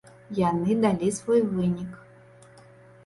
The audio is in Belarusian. Яны далі свой вынік.